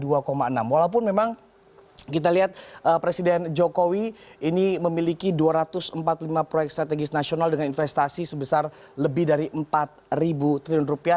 walaupun memang kita lihat presiden jokowi ini memiliki dua ratus empat puluh lima proyek strategis nasional dengan investasi sebesar lebih dari empat triliun rupiah